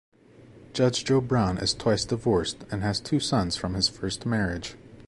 Judge Joe Brown is twice divorced and has two sons from his first marriage.